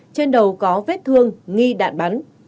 trên đầu có vết thương nghi đạn bắn